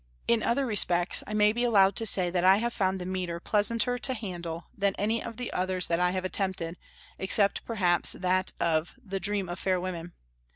In other respects I may be allowed to say that I have found the metre pleasanter to handle than any of the others that I have attempted, except, perhaps, that of "The Dream of Fair Women."